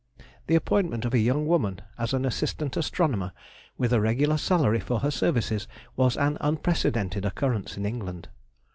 The appointment of a young woman as an assistant astronomer, with a regular salary for her services, was an unprecedented occurrence in England.